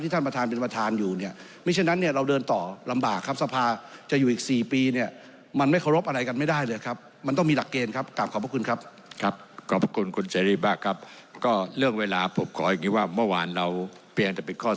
ที่ท่านประธานอยู่เนี่ย